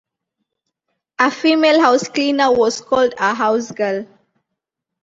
A female housecleaner was called a housegirl.